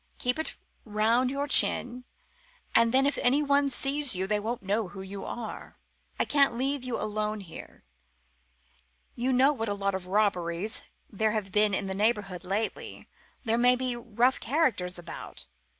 Keep it up round your chin, and then if anyone sees you they won't know who you are. I can't leave you alone here. You know what a lot of robberies there have been in the neighbourhood lately; there may be rough characters about.